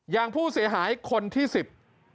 อย่างผู้เสียหายคนที่สิบ